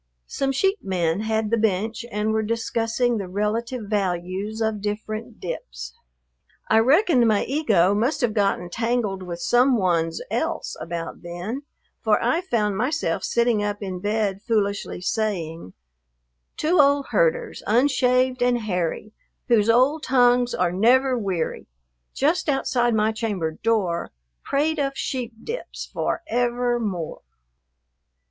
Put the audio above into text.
Some sheep men had the bench and were discussing the relative values of different dips. I reckon my ego must have gotten tangled with some one's else about then, for I found myself sitting up in bed foolishly saying, "Two old herders, unshaved and hairy, Whose old tongues are never weary, Just outside my chamber door Prate of sheep dips for ever more."